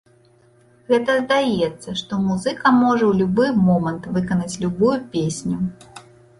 Гэта здаецца, што музыка можа ў любы момант выканаць любую песню.